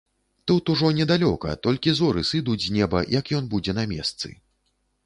Тут ужо недалёка, толькі зоры сыдуць з неба, як ён будзе на месцы.